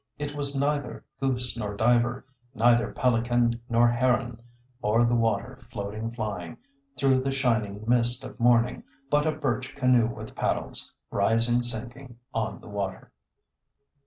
It was neither goose nor diver, Neither pelican nor heron O'er the water floating, flying, Through the shining mist of morning, But a birch canoe with paddles, Rising, sinking on the water."